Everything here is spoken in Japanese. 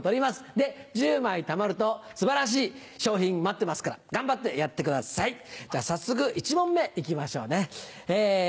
で１０枚たまると素晴らしい賞品待ってますから頑張ってやってください早速１問目行きましょうね。